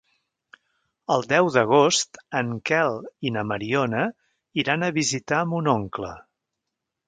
El deu d'agost en Quel i na Mariona iran a visitar mon oncle.